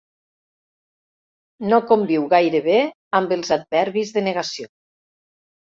No conviu gaire bé amb els adverbis de negació.